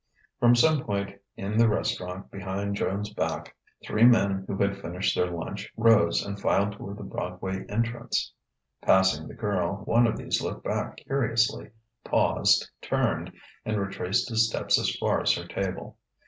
From some point in the restaurant behind Joan's back, three men who had finished their lunch rose and filed toward the Broadway entrance. Passing the girl, one of these looked back curiously, paused, turned, and retraced his steps as far as her table.